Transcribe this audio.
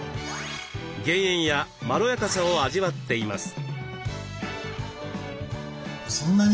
減塩やまろやかさを味わっています。